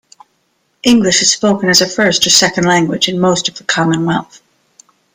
English is spoken as a first or second language in most of the Commonwealth.